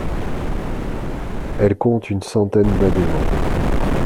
Elle compte une centaine d'adhérents.